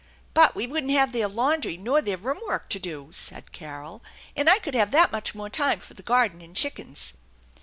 "But we wouldn't have their laundry nor their room work to do," said Carol, " and I could have that much more time for the garden and chickens."